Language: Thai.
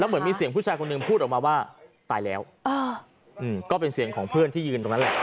เหมือนมีเสียงผู้ชายคนหนึ่งพูดออกมาว่าตายแล้วก็เป็นเสียงของเพื่อนที่ยืนตรงนั้นแหละ